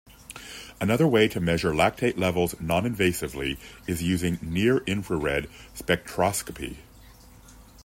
Another way to measure lactate levels non-invasively is using Near-infrared spectroscopy.